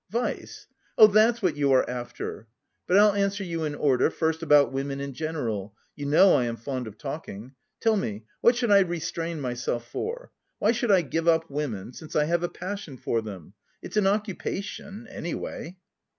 "Vice! Oh, that's what you are after! But I'll answer you in order, first about women in general; you know I am fond of talking. Tell me, what should I restrain myself for? Why should I give up women, since I have a passion for them? It's an occupation, anyway."